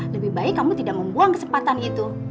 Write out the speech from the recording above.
lebih baik kamu tidak membuang kesempatan itu